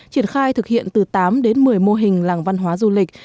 triển khai thực hiện từ tám đến một mươi mô hình làng văn hóa du lịch